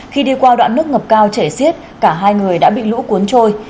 khi đi qua đoạn nước ngập cao trẻ siết cả hai người đã bị lũ cuốn trôi